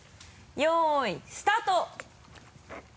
よいスタート！